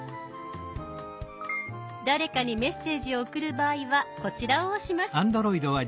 誰かにメッセージを送る場合はこちらを押します。